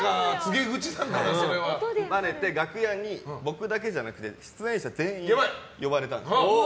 ばれて楽屋に僕だけじゃなくて出演者全員呼ばれたんです。